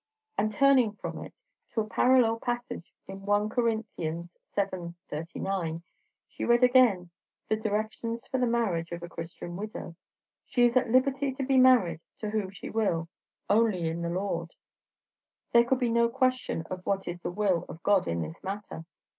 And, turning from it to a parallel passage in 1 Cor. vii. 39, she read again the directions for the marriage of a Christian widow; she is at liberty to be married to whom she will, "only in the Lord." There could be no question of what is the will of God in this matter.